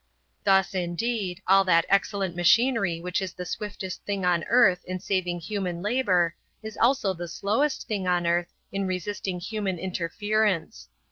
Thus, indeed, all that excellent machinery which is the swiftest thing on earth in saving human labour is also the slowest thing on earth in resisting human interference.